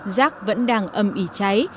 rác vẫn đang âm ý cháy